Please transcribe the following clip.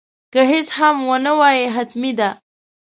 که هیڅ هم ونه وایې حتمي ده.